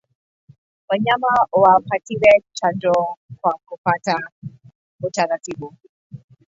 Wanyama wapatiwe chanjo kwa kufata utaratibu